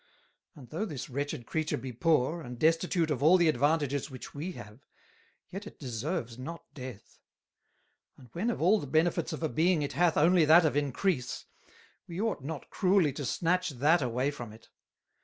And though this wretched Creature be poor, and destitute of all the advantages which we have, yet it deserves not Death; and when of all the Benefits of a Being it hath only that of Encrease, we ought not cruelly to snatch that away from it.